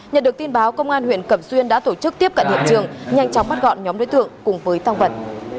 nhận được tin báo công an huyện cẩm xuyên đã tổ chức tiếp cận hiện trường nhanh chóng bắt gọn nhóm đối tượng cùng với tăng vật